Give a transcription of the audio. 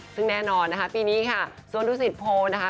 ซึ่งแน่นอนนะฮะปีนี้ค่ะส่วนทุกสิทธิ์โพลนะฮะ